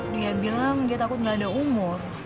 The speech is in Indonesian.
dia bilang dia takut nggak ada umur